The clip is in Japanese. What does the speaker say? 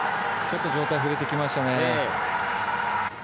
ちょっと上体振れてきましたね。